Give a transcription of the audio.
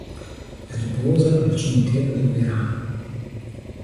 Riposa al cimitero del Verano.